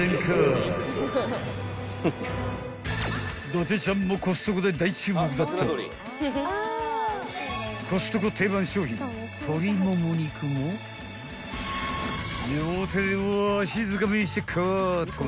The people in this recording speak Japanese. ［伊達ちゃんもコストコで大注目だったコストコ定番商品鶏もも肉も両手でわしづかみにしてカートに］